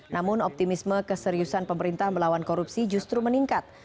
namun optimisme keseriusan pemerintah melawan korupsi justru meningkat